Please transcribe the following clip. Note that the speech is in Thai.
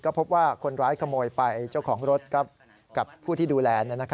ก็พบว่าคนร้ายขโมยไปเจ้าของรถกับผู้ที่ดูแล